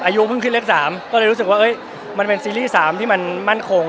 อายุเพิ่งขึ้นเลข๓ก็เลยรู้สึกว่ามันเป็นซีรีส์๓ที่มันมั่นคง